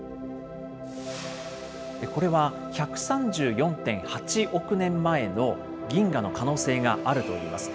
これは１３４．８億年前の銀河の可能性があるといいます。